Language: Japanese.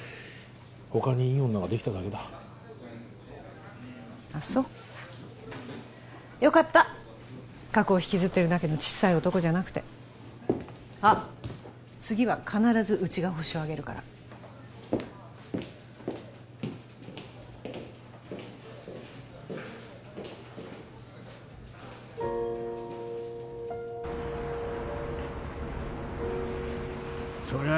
他にいい女ができただけだあっそうよかった過去を引きずってるだけのちっさい男じゃなくてあっ次は必ずうちがホシを挙げるからそりゃ